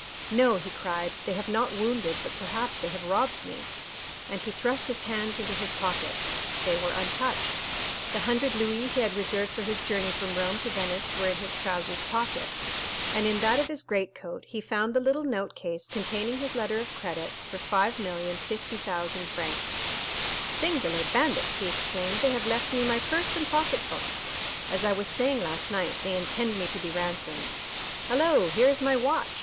"No," he cried, "they have not wounded, but perhaps they have robbed me!" and he thrust his hands into his pockets. They were untouched; the hundred louis he had reserved for his journey from Rome to Venice were in his trousers pocket, and in that of his greatcoat he found the little note case containing his letter of credit for 5,050,000 francs. "Singular bandits!" he exclaimed; "they have left me my purse and pocket book. As I was saying last night, they intend me to be ransomed. Hello, here is my watch!